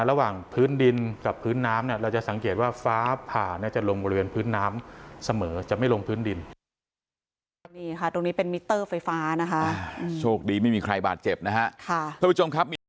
พื้นดินกับพื้นน้ำเนี่ยเราจะสังเกตว่าฟ้าผ่าจะลงบริเวณพื้นน้ำเสมอจะไม่ลงพื้นดิน